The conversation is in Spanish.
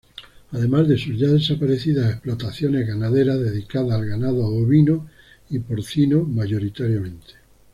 Además de sus ya desaparecidas explotaciones ganaderas, dedicadas al ganado ovino y porcino mayoritariamente.